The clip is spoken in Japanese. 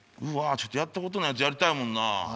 うわちょっとやったことないやつやりたいもんな。